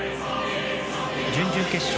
準々決勝